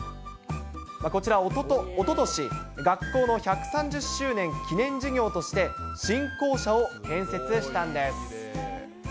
こちら、おととし、学校の１３０周年記念事業として、新校舎を建設したんです。